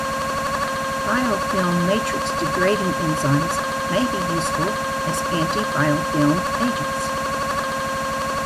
Biofilm matrix degrading enzymes may be useful as anti-biofilm agents.